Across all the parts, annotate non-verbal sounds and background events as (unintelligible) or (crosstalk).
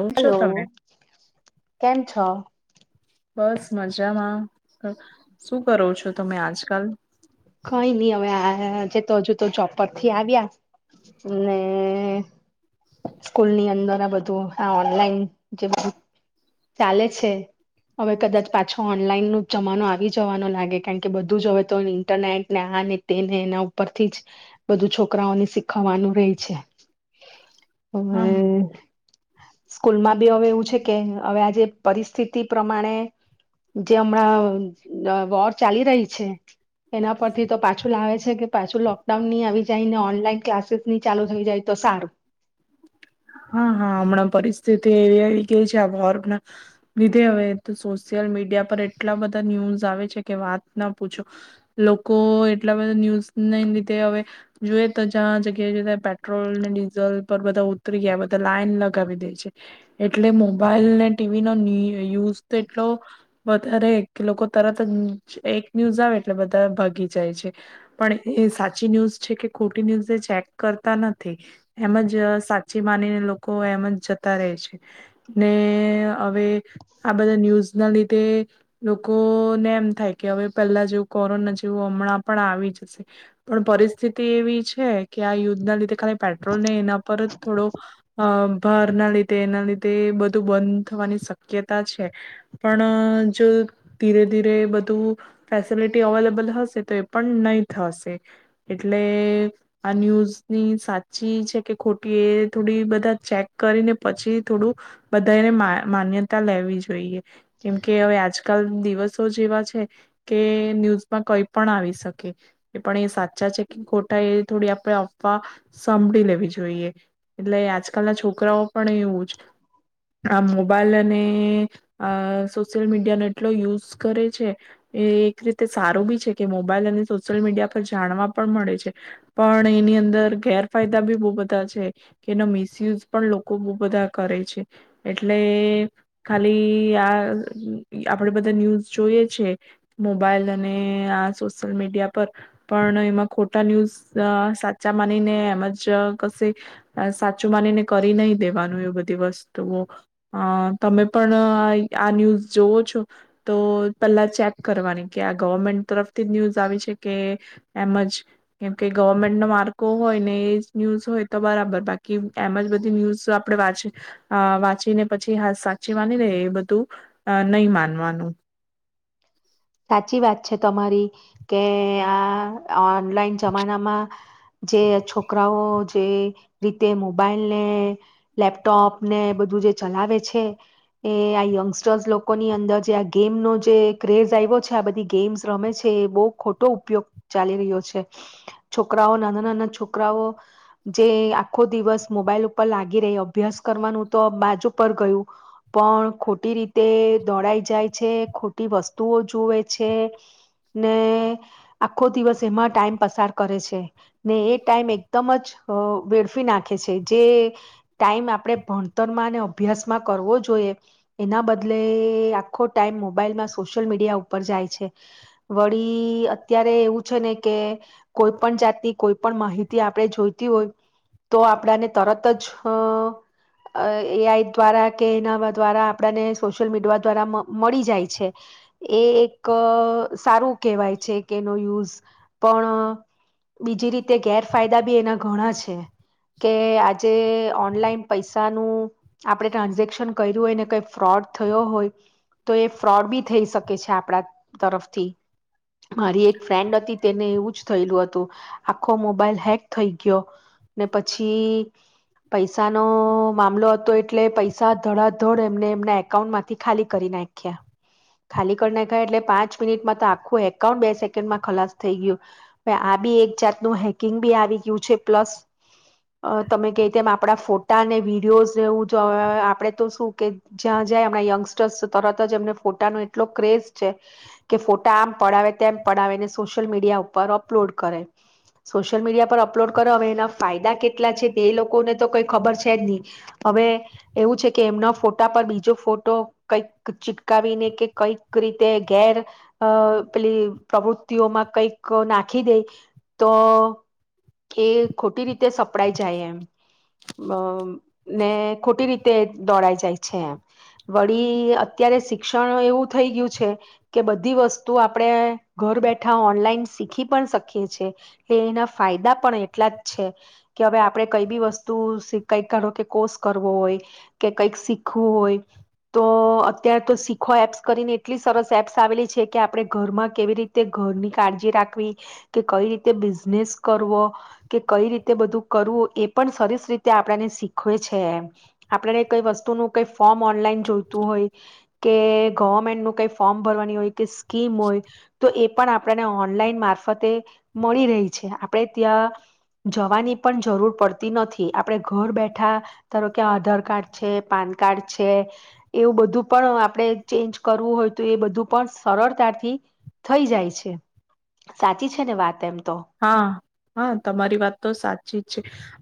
કેમ છો હલો, તમે કેમ છો? બસ મજામાં, શું કરો છો તમે આજકાલ? કઈ નહી હવે આ જે તો હજુ તો ચોપરથી આવ્યા, ને સ્કૂલની અંદર આ બધું આ ઓનલાઈન જે બધુ ચાલે છે, હવે કદાચ પાછો ઓનલાઈન ન જમાનો આવી જવાનો લાગે કારણ કે બધું જ હવે તો ઇન્ટરનેટ ને આ તેને એના ઉપરથી જ બધું છોકરાઓને શીખવાનું રેય છે. હા હમ્મ. સ્કૂલમાં બી હવે એવું છે કે હવે આજે પરિસ્થિતિ પ્રમાણે જે હમણાં અ વોર ચાલી રહી છે. એના પરથી તો પાછું લાવે છે કે પાછું લોકડાઉન ની આવી જાયને ઓનલાઈન ક્લાસીસ ની ચાલુ થઈ જાય તો સારું. હા-હા હમણાં પરિસ્થિતિ એવી આવી ગઈ છે આ વોર ના લીધે હવે સોશિયલ મીડિયા પર એટલા બધા ન્યૂઝ આવે છે કે વાત ના પૂછો. લોકો એટલા બધા ન્યૂઝને લીધે હવે જોએ તો જ્યાં જગ્યાએ જતા પેટ્રોલ ને ડીઝલ પર બધા ઉ તરી ગ્યા બધા લાઈન લગાવી દે છે. એટલે મોબાઈલ ને ટીવી નો ન્યૂ યુ-યુઝ તો એટલો વધારે કે લોકો તરત જ ઉમ એક ન્યૂઝ આવે એટલે બધા ભાગી જાય છે પણ એ સાચી ન્યૂઝ છે કે ખોટી ન્યૂઝ એ ચેક કરતા નથી એમ જ અ સા ચી માનીને લોકો એમ જ જતા રહે છે. ને હવે આ બધા ન્યૂઝ ના લીધે લોકો ને એમ થાય કે હવે પહેલા જેવું કોરોના જેવું હમણાં પણ આવી જશે પણ પરિસ્થિતિ એવી છે કે આ યુદ્ધના લીધે ખાલી પેટ્રોલ ને એના પર જ થોડો અ ભાર ના લીધે એના લીધે એ બધું બંધ થવાની શક્યતા છે. પણ જો ધીરે-ધીરે બધું ફેસિલિટી અવેલેબલ હશે તો એ પણ નઈ થશે. એટલે આ ન્યૂઝની સાચી છે કે ખોટ કે એ થોડી બધા ચેક કરીને પછી થોડું બધાય ને મા માન્યતા લેવી જોઈએ. કેમ કે હવે આજક કલ દિવસો જ એવા છે કે ન્યૂઝમાં કઈ પણ આવી શકે એ પણ એ સાચા છે કે ખોટા એ થોડી આપણે અફવા સાંભળી લેવી જોઈએ. એટલે આજકાલના છોકરાઓ પણ એવું જ આ મોબાઈલ અને અ સોશિયલ મીડિયાનો એટલો યુઝ કરે છે એ એક રીતે સારું બી છે કે મોબાઈલ અને સોશિયલ મીડિયા પર જાણવા પણ મળે છે પણ એની અંદર ગેરફાયદા બી બૌ બધા છે. કે એનો મિસયુઝ પણ લોકો બહુ બધા કરે છે. એટલે ખાલી આ અ આપડે બધા ન્યૂઝ જોઈએ છે મોબાઈલ અને આ સોશિયલ મીડિયા પર પણ એમાં ખોટા ન્યૂઝ અ સાચા માનીને એમજ કશે આ સાચું માનીને કરી નહી દેવાનું એ બધી વસ્તુઓ અ તમે પણ અ આ ન્યૂઝ જોવો છો તો પહેલા ચેક કરવાની કે આ ગવર્મેન્ટ તરફથી જ ન્યૂઝ આવી છે કે એમ જ કેમ કે ગવર્મેન્ટનો માર્કો હોય ને એ ન્યૂઝ હોય તો બરાબર બાકી એમ જ બધી ન્યૂઝ આપણે વાંચ અ વાંચીને પછી હા સાચી માની લઇયે એ બધું નહી માનવાનું. સાચી વાત છે તમારી કે આ આ ઓનલાઈન જમાનામાં જે છોકરાઓ જે રીતે મોબાઈલને, લેપટોપ ને બધું જે ચલાવે છે એ આ યંગસ્ટર્સ લોકોની અંદર જે આ ગેમનો જે ક્રેઝ ક્રેઝ આવ્યો છે આ બધી ગેમ્સ રમે છે એ બહુ ખોટો ઉપયોગ ચાલી રહ્યો છે. છોકરાઓ નાના-નાના છોકરાઓ જે આખો દિવસ મોબાઈલ ઉપર લાગી રહી અભ્યાસ કરવાનું તો બાજુ પર ગયું પણ ખોટી રીતે દોડાઈ જાય છે ખોટી વસ તુ જુવે છે ને આખો દિવસ એમાં ટાઈમ પસાર કરે છે ને એ ટાઈમ એકદમ જ અ વેડફી નાખે છે જે ટાઈમ આપણે ભણતરમાં ને અભ્યાસમાં કરવો જોઈએ એના બદલે એ આખો ટાઈમ મોબાઈલમાં સોશિયલ મીડિયા ઉપર જાય છે. વળી અત્યારે એવું છે ને કે કોઈ પણ જાતની કોઈ પણ માહિતી આપણે જોઈતી હોય તો આપડાને તરત જ અ એ આઈ દ્વારા કે એનાવા દ્વારા આપણાને સોશિયલ મીડિવા દ્વારા મ મળી જાય છે. એ એક અ સારું કેહેવાય છે કે એનો યુઝ પણ બીજી રીતે ગેરફાયદા બી એના ઘણા છે કે આજે ઓનલાઈન પૈસાનું આપણે ટ્રાન્ઝેક્શન કૈરુ હોય ને કઈ ફ્રોડ થયો હોય તો એ ફ્રોડ બી થઈ શકે છે આપણા તરફથી. મારી એક ફ્રેન્ડ હતી તેને એવું જ થયેલું હતું આખો મોબાઈલ હેક થઈ ગયો ને પછી પૈસાનો મામલો હતો એટલે પૈસા ધડાધડ એમને એમના એકાઉન્ટ માંથી ખાલી કરી નાખ્યા. ખાલી કરી નાખયા એટલે પાંચ મિનિટમાં તો આખું એકાઉન્ટ બે સેકન્ડમાં ખલાસ થઈ ગયું. હ આ બી એક જાતનું હેકિંગ બી આવી ગયું છે પ્લસ તમે કેતેમ આપડા ફોટાને વિડીયોઝ એવું આપડે જો આપડે તો શું કે જ્યાં જ્યાં એમણાં યંગસ્ટર્સ તરત જ એમને ફોટાનું એટલો ક્રેઝ છે કે ફોટા આમ પડાવે તેમ પડાવેને સોશિયલ મીડિયા ઉપર અપલોડ કરે સોશિયલ મીડિયા પર અપલોડ કરે હવે એના ફાયદા કેટલા છે તે લોકોને તો કઈ ખબર છે જ ની હવે એવું છે કે એમના ફોટા પર બીજો ફોટો કઈક ચીટકાવીને કે કઈક રીતે ઘેર, અ પેલી પ્રવૃતિઓમાં કંઈક નાખી દે, તો એ ખોટી રીતે સપડાઈ જાય એમ, અમ્મ ને ખોટી રીતે દોડાઈ જાય છે એમ, વળી અત્યારે શિક્ષણ એવું થઈ ગયું છે કે, બધી વસ્તુ આપણે ઘર બેઠા ઓનલાઈન શીખી પણ શકીએ છે, એ એના ફાયદા પણ એટલા જ છે, કે હવે આપણે કઈ બી વસ્તુ શી કઈક કરો કે કોર્સ કરવો હોય, કે કઈક શીખવું હોય તો, અત્યારે તો શીખો એપ્સ કરીને એટલી સરસ એપ્સ આવેલી છે કે આપણે ઘરમાં કેવી રીતે ઘરની કાળજી રાખવી, કે કઈ રીતે બિઝનેસ કરવો, કે કઈ રીતે બધું કરવું એ પણ સરીસ રીતે આપડાને શીખવે છે એમ, આપડાને કઈ વસ્તુનું કઈ ફોર્મ ઓનલાઈન જોઈતું હોય. કે ગવર્મેન્ટ નું કંઈ ફોર્મ ભરવાની હોય કે સ કીમ હોય, તો એ પણ આપડાને ઓનલાઈન મારફતે, મળી રહી છે આપણેે ત્યાં જવાની પણ જરૂર પડતી નથી આપણે ઘર બેઠા, ધારો કે આધાર કાર્ડ છે, પાન કાર્ડ છે, એવું બધું પણ આપણે ચેન્જ કરવું હોય તો એ બધું પણ સરળતાથી, થઈ જાય છે, સાચી છે ને વાત એમ. તો હા, અ હા તમારી વાત તો સાચી જ છે,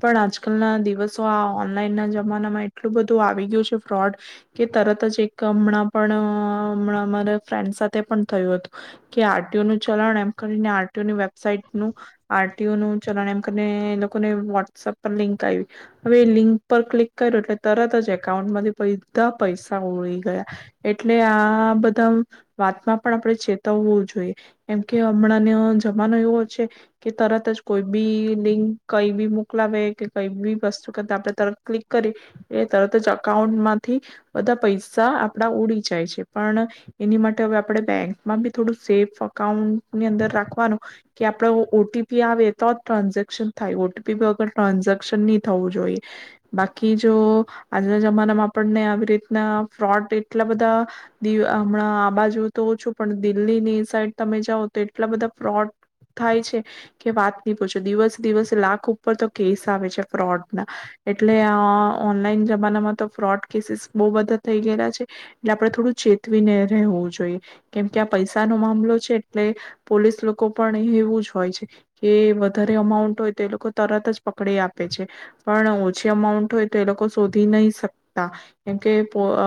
પણ આજ કલ ના દિવસો આ ઓનલાઈન ના જમાનામાં એટલું બધું આવી ગયું છે ફ્રોડ, કે તરત જ એક હમણાં પણ અ અમણાં અમારા અમારા ફ્રેન્ડ સાથે પણ થયું હતું, કે આર ટી ઓ નું ચલણ એમ કરીને આ રટી ઓની વેબસા નું આરટ ટી ઓ નું ચલણ એમ કરીને એ લોકોને વોટ્સઅપ પર લિંક આવી, હવે એ લિંક પર ક્લિક કર્યું એટલે તરત જ એકાઉન્ટ માંથી બૈધા પૈસા ઉળી ગયા, એટલે આ બધા વાતમાં પણ આપણે ચેતવવું, જોઈએ એમ કે હમણાં ન્યો જમાનો એવો છે, કે તરત જ કોઈ બી લિંક કઈ બી મોકલાવે કે કઈ બી વસ્તુ કરતા આપણે તરત ક્લિક કરીએ એ, તરત જ અકાઉન્ટ માંથી બધા પૈસા આપડા ઉડી જાય છે પણ, એની માટે હવે આપણે બેંકમાં બી થોડું સેફ અઉન્ટની અંદર રાખવાનું. કે આપડે ઓ ટી પી આવે તો જ ટ્રાન્ઝેક્શન થાય ઓ ટી પી વગર ટ્રાન્ઝેક્શન નહી થવું જોઈએ, બાકી જો આજના જમાનામાં આપણને આવી રીતના ફ્રોડ એટલા બધા, દિવ હમણાં આ બાજુ તો ઓ છું પણ દિલ્હીની સાઈડ તમે જાઓ તો એટલા બધા ફ્રોડ થાય છે, કે વાત નહી પૂછો દિવસે દિવસે લાખ ઉપર તો કેસ આવે છે ફ્રોડ ના, એટલે આ ઓ ઓનલાઈન જમાનામાં તો ફ્રોડ કેસીસ બોવ બધા થઈ ગયલા છે, એટલે આપડે થોડું ચેતવીને રહેવું જોઈએ, કેમ કે આ પૈસા નો મામલો છે એટલે, પોલીસ લોક કો પણ એવું જ હોય છે, કે વધારે અમાઉન્ટ હોય તો એ લોકો તરત જ પકડી આપે છે, પણ ઓછી અમાઉન્ટ હોય તો એ લોકો શોધી નહી શકતા, કેમકે પો અ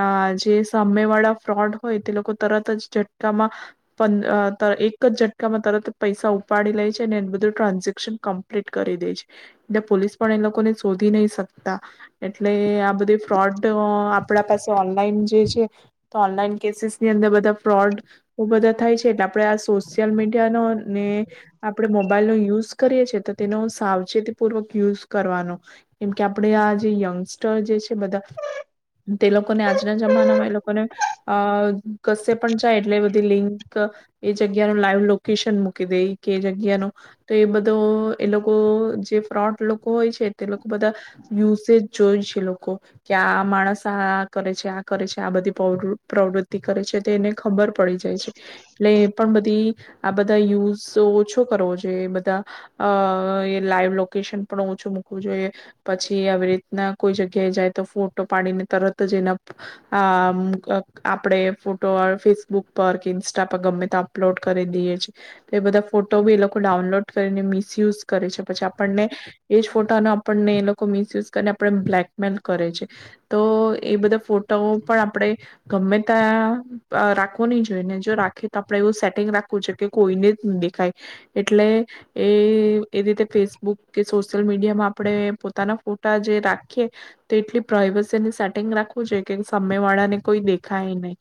આ જે સામે વાળા ફ્રોડ હોય તે લોકો તરત જ ઝટકામાં, પંદ અ એક એક જ ઝટકામાં તરત જ પૈસા ઉપાડી લૈ છે અને એનું બધું ટ્રાન્ઝેક્શન કમ્પ્લીટ કરી દે છે, ને પોલીસ પણ એ લોકોને શોધી નહી શકતા, એટલે આ બધી ફ્રોડ અ આપણા પાસે ઓનલાઈન જે છે, તો ઓનલાઈન કેસીસ ની અંદર બધા ફ્રોડ બો બધા થાય છે એટલે આપણે આ સોસ યલ મીડિયાનો ને, આપણે મોબાઈલનો યુઝ કરીએ છીએ તો તેનો સાવચેતીપૂર્વક યુઝ કરવાનો, કેમ કે આપણે આ જે યંગસ્ટર જે છે બધા, તે લોકોને આજના જમાનામાં એ લોકોને અ કશે પણ જાય એટલે બધી લિંક એ જગ લાઈવ લોકેશન મૂકી દેય. કે જગ્યાનું, તો એ તો એ લોકો જે ફ્રોડ લોકો હોય છે તે લોકો બધા યુસેજ જોય છે લોકો કે આ માણસ આ આ કરે છે આ કરે છે આ બધી પવરુ પ્રવૃત્તિ કરે છે તે તેને ખબર પડી જાય છે લે એ બધી આ બધા યુઝજો ઓછો કરવો જોઈએ બધા અ એ લાઈવ લોકેશન પણ ઓછું મૂકવું જોઈએ પછી આવી રીતના કોઈ જગ્યાએ જાય તો ફોટો પાડીને તરત જ એના આમ આપણેે ફોટો ફેસબુક પર કે ઇન્સ્ટા પર ગમે તા અપલોડ કરી દઈએ છે એ બધા ફોટો ભી એ લોકો ડાઉનલોડ કરીને મિસયુઝ કરે છે પછી આપણને એ જ ફો તન આપણને એ લોકો મિસયુઝ કરીને આપ ને બ્લેકમેલ કરે છે તો એ બધા ફોટા ઓ પણ આપણે ગમે ત્યાં રાખવો નહી જોઈ ને જો રાખે તો આપણે એવું સેટિંગ રાખવું છે કે કોઈને જ દેખાય એટલે એ એ રીતે ફેસબુક કે સોશિયલ મીડિયામાં આપણે પોતાના ફોટા જે રાખીએ તે એટલી પ્રઇવસીને સેટિંગ રાખવું જો કે સાંભેવાળા વાળાને કોઈ દેખાય નહીં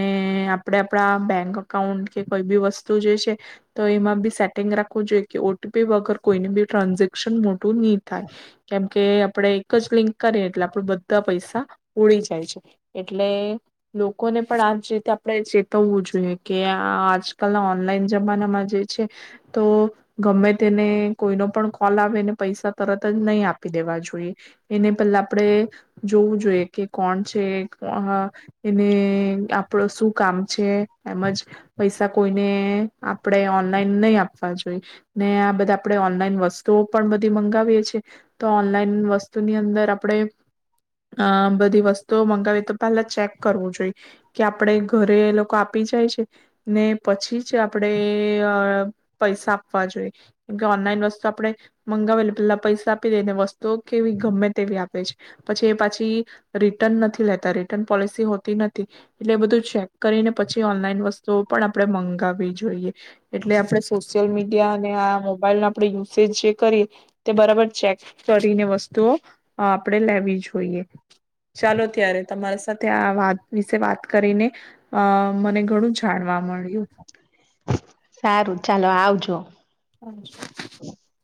ને આપણેે આપણા બેંક અકાઉન્ટ કે કોઈ ભી વસ્તુ જેછે તો એમાં બી સેટિંગ રાખવું જોઈએ કે ઓ ટી પી વગર કોઈને બી ટ્રાન્ઝેક્શન મોટું ની થાય કેમકે આપણે એક જ લિંક કરીએ એટલે આપડ બધા પૈસા ઉડી જાય છે એટલે લોકોને પણ આજ રીતે આપણે ચેતવવું જોઈએ. કે આજકાલના ઓનલાઈન જમાનામાં જે છે તો ગમે તેને કોઈનો પણ કોલ આવેને પૈસા તરત જ નહીં આપી દેવા જોઈએ એને પહેલા આપણેે જોવું જોઈએ કે કોણ છે એને આપણ શું કામ છે. એમજ પૈસા કોઈને આપણે ઓનલાઈન નહી આપવા જોઈએ ને આ બધા આપણેે ઓનલાઈન વસ્તુઓ પણ બધી મંગાવીએ છી તો ઓનલાઈન વસ્તુની અંદર આપણેે અ બધી વસ્તુઓ મંગાવીએ તો પહેલા ચેક કરવું જોઈ કે આપણે ઘરે લોકો આ આપી જાય છે ને પછી જ આપણેે પૈસા આપવા જોઈએ કેમકે ઓનલાઈન વસ્તુ આપણે મંગાવેલી પેલા પૈસા આપી દે ને વસ્તુ કેવી ગમે તેવી આપે છે પછી એ પાછી રિટર્ન નથી લેતા રિટર્ન પોલિસી હોતી નથી એટલે એ બધું ચેક કરીને પછી ઓનલાઈન વસ્તુઓ પણ આપણે મંગાવવી જોઈએ. એટલે આપણે સોશિયલ મીડિયા અને આ મોબાઈલનો આપણે યુસેજ જે કરીએ તે બરાબર ચેક કરીને વસ્તુઓ આપણે લેવી જોઈએ ચાલો ત્યારે તમારી સાથે આ વાત વિશે વાત કરીને અ મને ઘણું જાણવા મળ્યું. સારું ચાલો આવજો. (unintelligible)